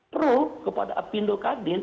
pro kepada apindo kadin